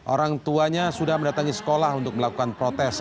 orang tuanya sudah mendatangi sekolah untuk melakukan protes